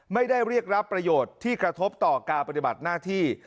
ไม่ได้เรียกรับประโยชน์ที่กระทบต่อการปฏิบัติหน้าที่